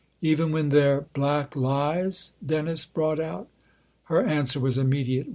" Even when they're black lies ?" Dennis brought out. Her answer was immediate.